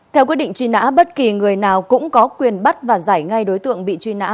theo quyết định truy nã bất kỳ người nào cũng có quyền bắt và giải ngay đối tượng bị truy nã